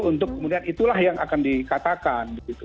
untuk kemudian itulah yang akan dikatakan